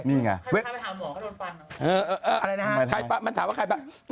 นี่ไงวีบอะไรนะฮะใครปะมันถามว่าใครปะ